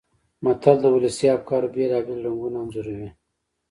متل د ولسي افکارو بېلابېل رنګونه انځوروي